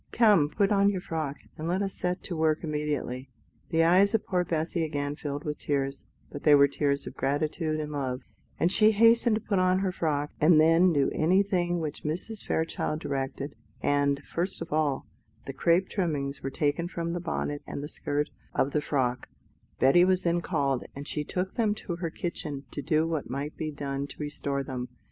Come, put on your frock, and let us set to work immediately." The eyes of poor Bessy again filled with tears, but they were tears of gratitude and love; and she hastened to put on her frock, and then do anything which Mrs. Fairchild directed: and, first of all, the crape trimmings were taken from the bonnet and the skirt of the frock; Betty was then called, and she took them to her kitchen to do what might be done to restore them.